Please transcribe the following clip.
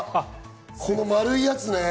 この丸いやつね。